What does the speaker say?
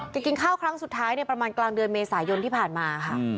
กินข้าวครั้งสุดท้ายประมาณกลางเดือนเมษายนที่ผ่านมาค่ะ